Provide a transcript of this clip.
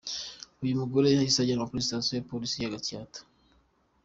Uyu mugore yahise ajyanwa kuri Sitasiyo ya Polisi ya Gatsata.